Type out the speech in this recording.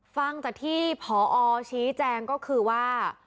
ฟังจากที่พอชี้แจงก็คือว่า